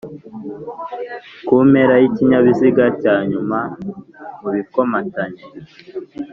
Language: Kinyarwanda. ku mpera y'ikinyabiziga cya nyuma mu bikomatanye